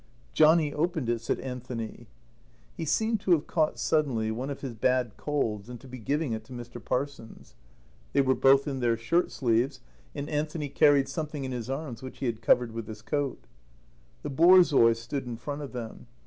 "Johnnie opened it," said Anthony. He seemed to have caught, suddenly, one of his bad colds and to be giving it to Mr. Parsons. They were both in their shirtsleeves, and Anthony carried something in his arms which he had covered with his coat. The borzoi stood in front of them.